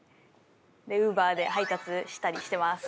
Ｕｂｅｒで配達したりしてます。